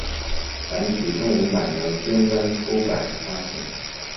繁体中文版由尖端出版发行。